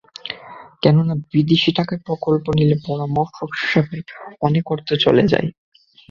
কেননা বিদেশি টাকায় প্রকল্প নিলে পরামর্শক সেবায় অনেক অর্থ চলে যায়।